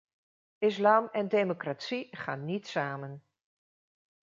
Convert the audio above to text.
Islam en democratie gaan niet samen.